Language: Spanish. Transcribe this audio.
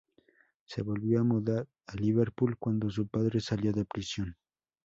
Se volvieron a mudar a Liverpool cuando su padre salió de prisión.